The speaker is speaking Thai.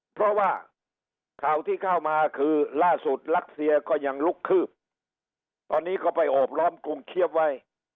เพราะว่าข่าวที่เข้ามาคือล่าสุดรัสเซียก็ยังลุกคืบตอนนี้ก็ไปโอบล้อมกรุงเชียบไว้